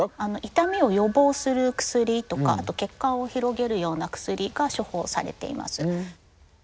痛みを予防する薬とかあと血管を広げるような薬が処方されています。